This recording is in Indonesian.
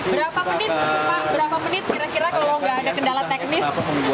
berapa menit kira kira kalau nggak ada kendala teknis